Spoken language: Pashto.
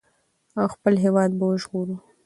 او خپل هېواد به وژغورو.